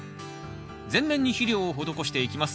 全面に肥料を施していきます。